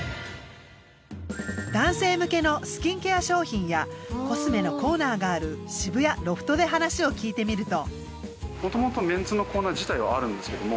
男性向けのスキンケア商品やコスメのコーナーがある渋谷ロフトで話を聞いてみると。